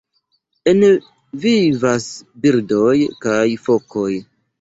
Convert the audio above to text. En vivas birdoj kaj fokoj.